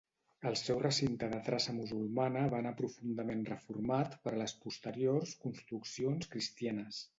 El seu recinte de traça musulmana va anar profundament reformat per les posteriors construccions cristianes.